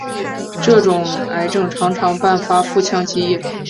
这种癌症常常伴发腹腔积液。